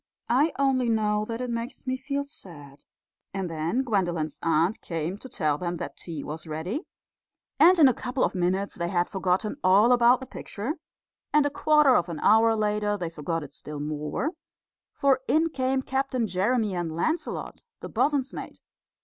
"I only know that it makes me feel sad." And then Gwendolen's aunt came to tell them that tea was ready, and in a couple of minutes they had forgotten all about the picture; and a quarter of an hour later they forgot it still more, for in came Captain Jeremy and Lancelot, the bosun's mate.